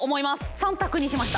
３択にしました。